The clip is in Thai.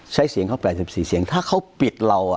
ใช้เสียงของ๕๔เสียงถ้าดักเฝอเราอะ